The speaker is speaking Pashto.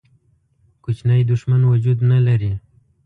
کوچنی دښمن وجود نه لري.